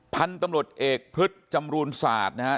พันธุ์ตำรวจเอกพฤษจำรูนศาสตร์นะฮะ